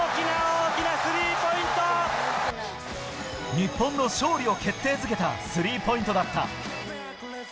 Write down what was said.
日本の勝利を決定づけたスリーポイントだった。